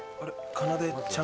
かなでちゃん？